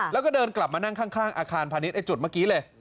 แล้วก็เดินกลับมานั่งข้างอาคารพาณิชย์จุดเมื่อกี้เลย